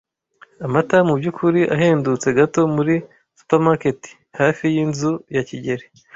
Amata mubyukuri ahendutse gato muri supermarket hafi yinzu ya kigeli.